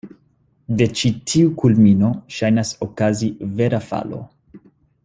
De ĉi tiu kulmino ŝajnas okazi vera falo.